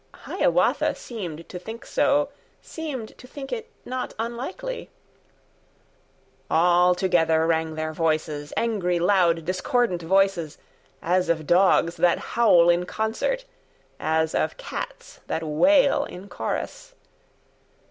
(Hiawatha seemed to think so, Seemed to think it not unlikely). All together rang their voices, Angry, loud, discordant voices, As of dogs that howl in concert, As of cats that wail in chorus.